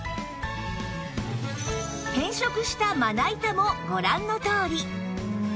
変色したまな板もご覧のとおり